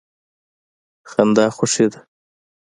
خندا خوښي ده.